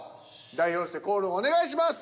代表してコールをお願いします。